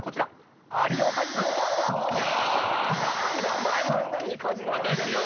お前もカジノやってんの？